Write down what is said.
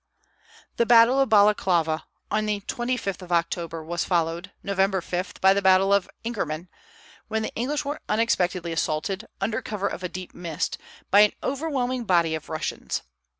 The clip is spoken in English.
The battle of Balaklava, on the 25th of October, was followed, November 5, by the battle of Inkerman, when the English were unexpectedly assaulted, under cover of a deep mist, by an overwhelming body of Russians.